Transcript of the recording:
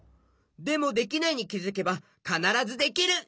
でもできないにきづけばかならずできる！